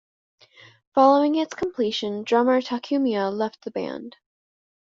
Following its completion, drummer Takumiya left the band.